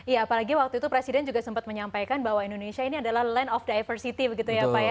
iya apalagi waktu itu presiden juga sempat menyampaikan bahwa indonesia ini adalah land of diversity begitu ya pak ya